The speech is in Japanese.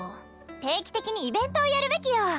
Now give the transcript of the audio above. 定期的にイベントをやるべきよ。